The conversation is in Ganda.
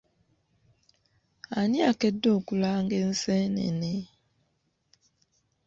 Ani akedde okulanga enseenene?